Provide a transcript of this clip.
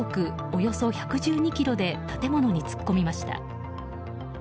およそ１１２キロで建物に突っ込みました。